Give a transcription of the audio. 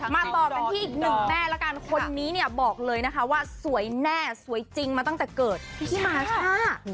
ต่อกันที่อีกหนึ่งแม่แล้วกันคนนี้เนี่ยบอกเลยนะคะว่าสวยแน่สวยจริงมาตั้งแต่เกิดพี่มาช่า